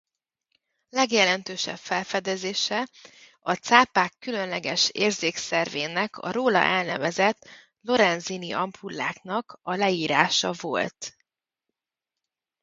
Legjelentősebb felfedezése a cápák különleges érzékszervének a róla elnevezett Lorenzini-ampulláknak a leírása volt.